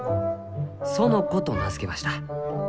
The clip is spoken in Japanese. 園子と名付けました」。